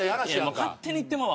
勝手に行ってまうわ